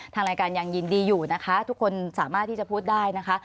ทางรายการยังยินดีอยู่นะคะทุกคนสามารถที่จะพูดได้นะคะ